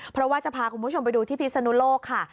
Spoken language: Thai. เพราะว่าจะพาคุณผู้ชมไปดูที่พิศนุโลกค่ะ